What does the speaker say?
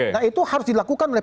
nah itu harus dilakukan oleh